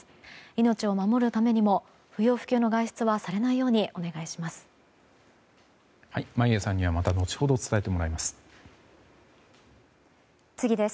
命を守るためにも不要不急の外出はされないようにお願いします。